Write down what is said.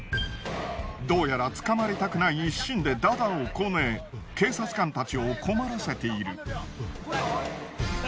どうやら捕まりたくない一心で駄々をこね警察官たちを困らせている。